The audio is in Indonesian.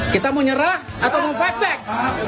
kita mau nyerah atau mau fight back